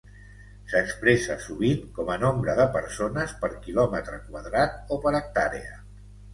S'expressa, sovint, com a nombre de persones per quilòmetre quadrat o per hectàrea.